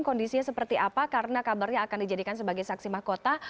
kondisinya seperti apa karena kabarnya akan dijadikan sebagai saksi mahkota